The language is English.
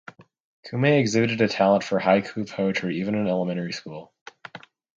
Kume exhibited a talent for "haiku" poetry even in elementary school.